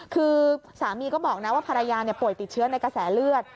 คือสามีก็บอกนะว่าภรรยาป่วยติดเชื้อในกระแสเลือด